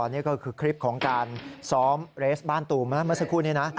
นี่ก็คือคลิปของการซ้อมเรสบ้านตูมเมื่อสักครู่นี้นะ